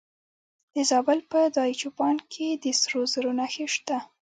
د زابل په دایچوپان کې د سرو زرو نښې شته.